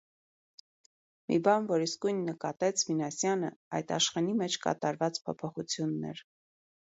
Մի բան, որ իսկույն նկատեց Մինասյանը, այդ՝ Աշխենի մեջ կատարված փոփոխությունն էր: